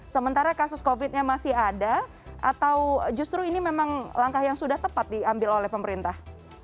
sementara kasus covid nya masih ada atau justru ini memang langkah yang sudah tepat diambil oleh pemerintah